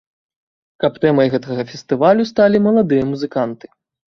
Каб тэмай гэтага фестывалю сталі маладыя музыканты.